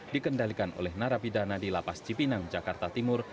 dikendalikan oleh narapidana di lapas cipinang jakarta timur